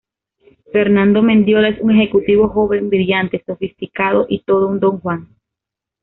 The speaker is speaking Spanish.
Fernando Mendiola es un ejecutivo joven, brillante, sofisticado y todo un "Don Juan".